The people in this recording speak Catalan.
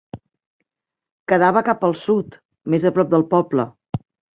Quedava cap al sud, més a prop del poble.